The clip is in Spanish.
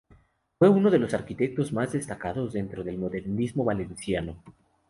Fue uno de los arquitectos más destacados dentro del modernismo valenciano.